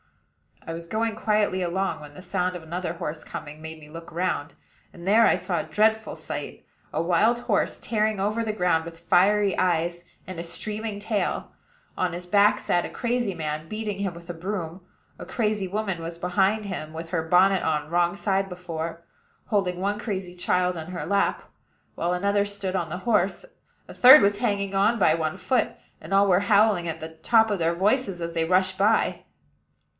I was going quietly along, when the sound of another horse coming made me look round; and there I saw a dreadful sight, a wild horse, tearing over the ground, with fiery eyes and streaming tail. On his back sat a crazy man, beating him with a broom; a crazy woman was behind him, with her bonnet on wrong side before, holding one crazy child in her lap, while another stood on the horse; a third was hanging on by one foot, and all were howling at the top of their voices as they rushed by.